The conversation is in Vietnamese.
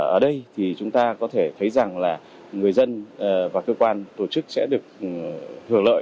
ở đây thì chúng ta có thể thấy rằng là người dân và cơ quan tổ chức sẽ được hưởng lợi